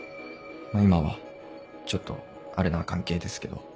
今はちょっとあれな関係ですけど。